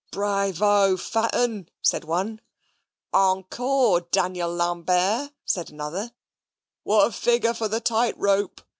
"Brayvo, Fat un!" said one; "Angcore, Daniel Lambert!" said another; "What a figure for the tight rope!"